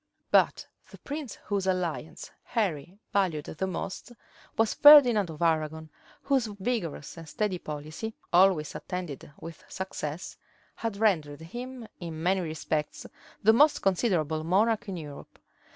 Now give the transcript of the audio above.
But the prince whose alliance Henry valued the most was Ferdinand of Arragon, whose vigorous and steady policy, always attended with success, had rendered him in many respects the most considerable monarch in Europe.